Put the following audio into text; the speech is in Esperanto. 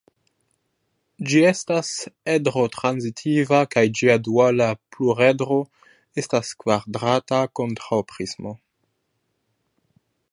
Ĝi estas edro-transitiva kaj ĝia duala pluredro estas kvadrata kontraŭprismo.